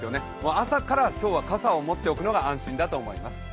朝から今日は傘を持っておくのが安心かと思います。